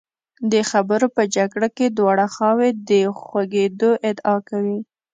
د خبرو په جګړه کې دواړه خواوې د خوږېدو ادعا کوي.